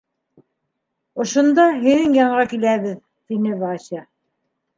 — Ошонда, һинең янға киләбеҙ, — тине Вася.